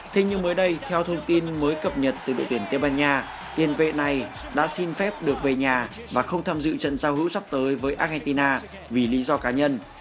thế nhưng mới đây theo thông tin mới cập nhật từ đội tuyển tây ban nha tiền vệ này đã xin phép được về nhà và không tham dự trận giao hữu sắp tới với argentina vì lý do cá nhân